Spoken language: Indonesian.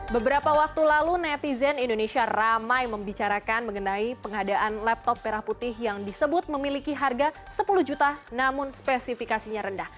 beberapa waktu lalu netizen indonesia ramai membicarakan mengenai pengadaan laptop merah putih yang disebut memiliki harga sepuluh juta namun spesifikasinya rendah